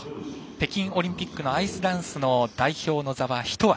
北京オリンピックのアイスダンスの代表の座は１枠。